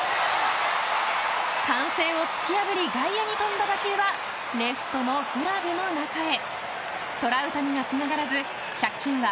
歓声を突き破り外野に飛んだ打球はレフトのグラブの中へ。